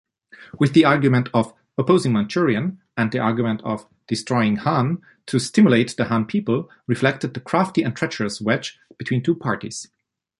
With the argument of “opposing Manchurian” and the argument of “destroying Han” to stimulate the Han people, reflected the crafty and treacherous wedge between two parties.